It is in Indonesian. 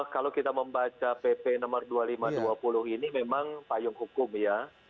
kalau kita membaca pp no dua ribu lima ratus dua puluh ini memang payung hukum ya